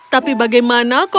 tapi bagaimana kau membuatnya